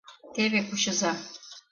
— Теве, кучыза.